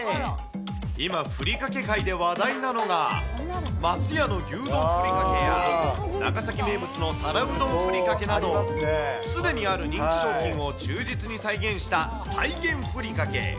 今、ふりかけ界で話題なのが、松屋の牛丼ふりかけや、長崎名物の皿うどんふりかけなど、すでにある人気商品を忠実に再現した、再現ふりかけ。